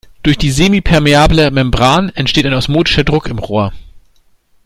Durch die semipermeable Membran entsteht ein osmotischer Druck im Rohr.